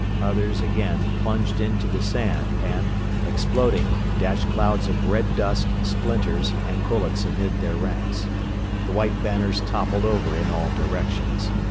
Others, again, plunged into the sand and, exploding, dashed clouds of red dust, splinters, and bullets amid their ranks. The white banners toppled over in all directions.